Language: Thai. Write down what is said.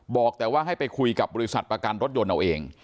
บอกแต่ว่าให้ไปคุยกับบริษัทประกันรถยนต์เอาเอง